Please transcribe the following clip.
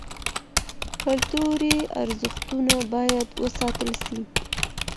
کلتوري ارزښتونه بايد وساتل سي.